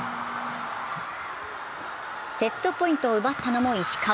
セットポイントを奪ったのも石川。